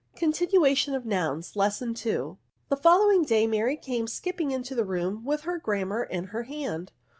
CONTINUATION OF NOUNS. Lesson II. The following day Mary came skipping into the room with her Grammar in her hand.